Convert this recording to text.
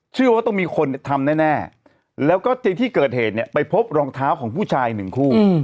เชื่อว่าต้องมีคนทำแน่แล้วก็ในที่เกิดเหตุเนี่ยไปพบรองเท้าของผู้ชายหนึ่งคู่